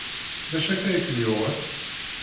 D acu akka i kem-yuɣen?